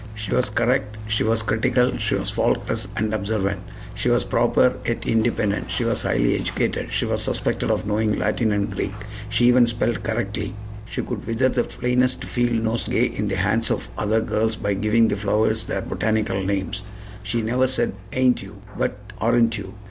She was correct, she was critical, she was faultless and observant. She was proper, yet independent; she was highly educated; she was suspected of knowing Latin and Greek; she even spelled correctly! She could wither the plainest field nosegay in the hands of other girls by giving the flowers their botanical names. She never said "Ain't you?" but "Aren't you?"